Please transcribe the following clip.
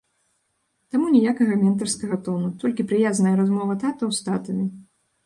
Таму ніякага ментарскага тону, толькі прыязная размова татаў з татамі.